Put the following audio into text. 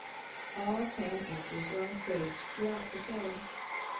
All ten actors are on stage throughout the show.